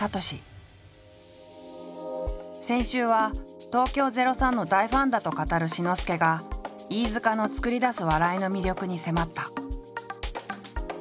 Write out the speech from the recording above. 先週は東京０３の大ファンだと語る志の輔が飯塚の作り出す笑いの魅力に迫った。